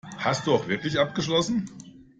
Hast du auch wirklich abgeschlossen?